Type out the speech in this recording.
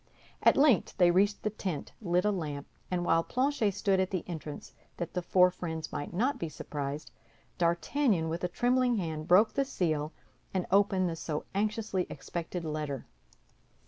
At length they reached the tent, lit a lamp, and while Planchet stood at the entrance that the four friends might not be surprised, D'Artagnan, with a trembling hand, broke the seal and opened the so anxiously expected letter.